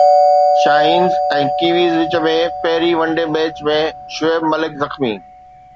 Shaheens ۽ Kiwis وچ ۾ پهرئين one day match ۾ Shoaib Malik زخمي